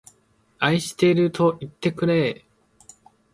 愛しているといってくれ